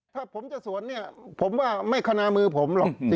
ถ้าผมจะสวนเนี่ยผมว่าไม่คณามือผมหรอก